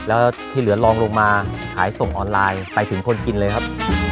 แล้วที่เหลือลองลงมาขายส่งออนไลน์ไปถึงคนกินเลยครับ